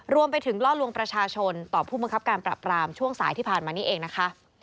รวมไปถึงล่อลวงประชาชนต่อผู้บังคับการปรับปรามช่วงสายที่ผ่านมานี้เองนะคะ